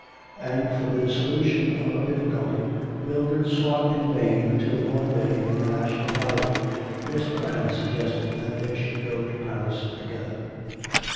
And for the solution of her difficulty Mildred sought in vain until one day, in the National Gallery, Miss Brand suggested that they should go to Paris together.